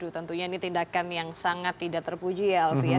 tentunya ini tindakan yang sangat tidak terpuji ya alfian